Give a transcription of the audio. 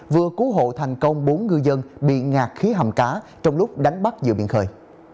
vừa cứu hộ thành công bốn ngư dân bị ngạt khí hầm cá trong lúc đánh bắt dự biện khơi